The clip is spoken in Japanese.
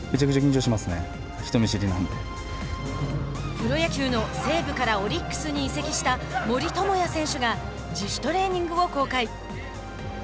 プロ野球の西武からオリックスに移籍した森友哉選手が自主トレーニングを公開。